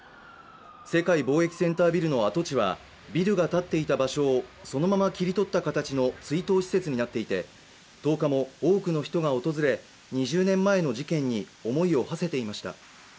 世界貿易センタービルの跡地はビルが建っていた場所をそのまま切り取った形の追悼施設になっていて１０日も多くの人が訪れ２０年前の事件に思いを馳せていました。